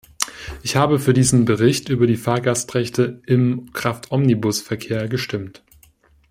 Ich habe für diesen Bericht über die Fahrgastrechte im Kraftomnibusverkehr gestimmt.